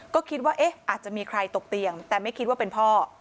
ก็คิดว่าเอ๊ะอาจจะมีใครตกเตียงแต่ไม่คิดว่าเป็นพ่อ